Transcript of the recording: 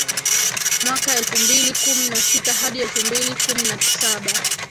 Mwaka elfu mbili kumi na sita hadi elfu mbili na kumi na saba